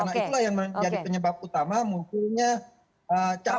karena itulah yang menjadi penyebab utama mungkinnya caos di stadion kanjuruhan